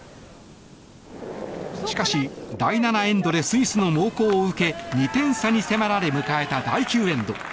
しかし、第７エンドでスイスの猛攻を受け２点差に迫られ迎えた第９エンド。